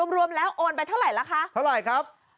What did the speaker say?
รวมแล้วโอนไปเท่าไหร่ล่ะคะเท่าไหร่ครับ